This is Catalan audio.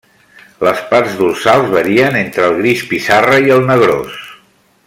Les parts dorsals varien entre el gris pissarra i el negrós.